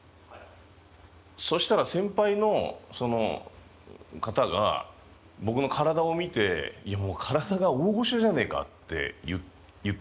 そしたら先輩のその方が僕の体を見ていやもう体が大御所じゃねえかって言ったんですよね。